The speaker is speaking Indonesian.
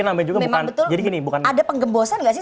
memang betul ada pengebosan nggak sih